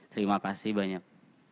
terima kasih banyak